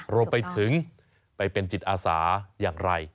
รวมไปถึงไปเป็นจิตอาสาอย่างไร